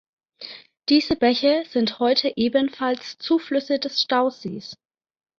Diese Bäche sind heute ebenfalls Zuflüsse des Stausees.